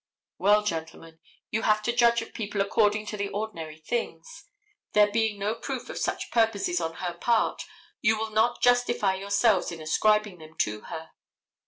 Well, gentlemen, you have to judge of people according to the ordinary things. There being no proof of such purposes on her part, you will not justify yourselves in ascribing them to her.